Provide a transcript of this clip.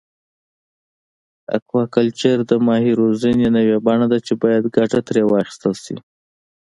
اکواکلچر د ماهي روزنې نوی بڼه ده چې باید ګټه ترې واخیستل شي.